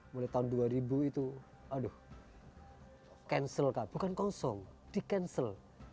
mulai tahun dua ribu itu aduh cancel bukan kosong di cancel